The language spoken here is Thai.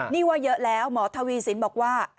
นี่ว่าเยอะแล้วหมอทวีสินบอกว่า